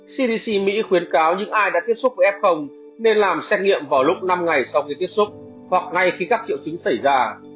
cdc mỹ khuyến cáo những ai đã tiếp xúc với f nên làm xét nghiệm vào lúc năm ngày sau khi tiếp xúc hoặc ngay khi các triệu chứng xảy ra